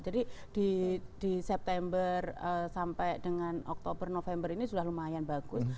jadi di september sampai dengan oktober november ini sudah lumayan bagus